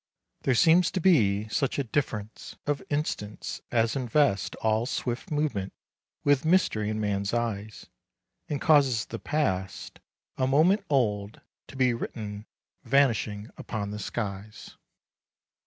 There seems to be such a difference of instants as invests all swift movement with mystery in man's eyes, and causes the past, a moment old, to be written, vanishing, upon the skies.